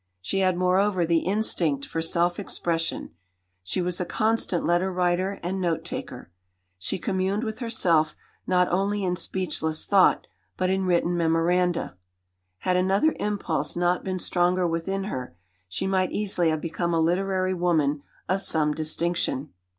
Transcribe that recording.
She had, moreover, the instinct for self expression. She was a constant letter writer and note taker. She communed with herself not only in speechless thought, but in written memoranda. Had another impulse not been stronger within her, she might easily have become a literary woman of some distinction.